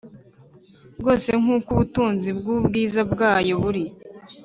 bwose nk uko ubutunzi bw ubwiza bwayo buri